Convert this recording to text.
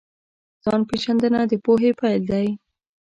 ځان پېژندنه د پوهې پیل دی.